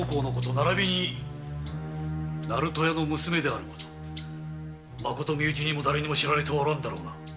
ならびに鳴門屋の娘であること身内にもだれにも知られておらんだろうな。